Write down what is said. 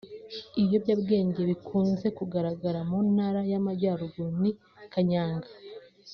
Ibiyobyabwenge bikunze kugaragara mu Ntara y’Amajyaruguru ni kanyanga